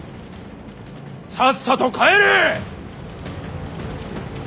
さっさと帰れ！